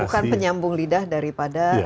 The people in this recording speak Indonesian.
bukan penyambung lidah daripada